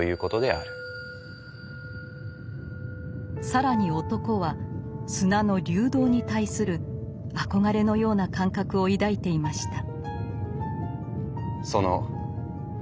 更に男は砂の「流動」に対する憧れのような感覚を抱いていました。